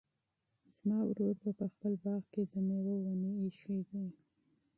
زما ورور په خپل باغ کې د مېوو ونې ایښي دي.